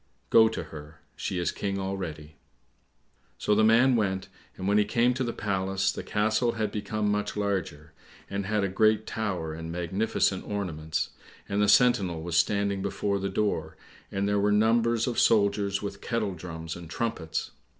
"Go to her; she is King already." So the man went, and when he came to the palace, the castle had become much larger, and had a great tower and magnificent ornaments, and the sentinel was standing before the door, and there were numbers of soldiers with kettle drums and trumpets.